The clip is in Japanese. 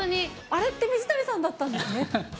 あれって水谷さんだったんですねって。